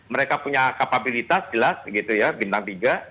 mereka punya kapabilitas jelas gitu ya bintang tiga